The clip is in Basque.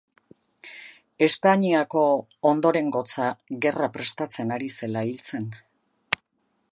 Espainiako Ondorengotza Gerra prestatzen ari zela hil zen.